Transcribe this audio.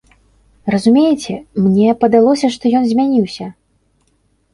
Разумееце, мне падалося, што ён змяніўся.